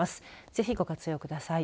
ぜひご活用ください。